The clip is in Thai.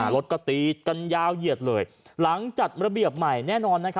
รถก็ตีกันยาวเหยียดเลยหลังจัดระเบียบใหม่แน่นอน